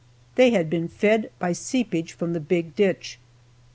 They had been fed by seepage from the big ditch.